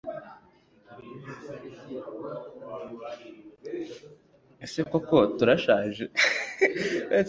Ese koko turashaje